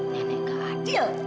nenek gak adil